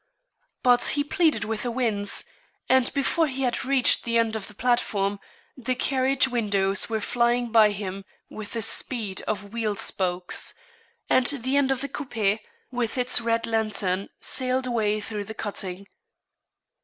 But he pleaded with the winds; and before he had reached the end of the platform, the carriage windows were flying by him with the speed of wheel spokes, and the end of the coupé, with its red lantern, sailed away through the cutting.